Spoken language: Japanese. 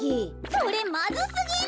それまずすぎる！